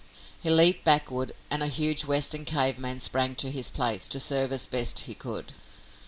He leaped backward and a huge Western cave man sprang to his place, to serve as best he could.